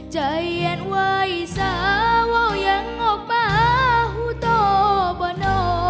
ใจเย็นไว้สาวอย่างงบป่าหุตบนอ